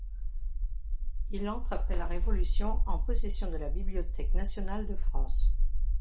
Il entre après la Révolution en possession de la Bibliothèque nationale de France.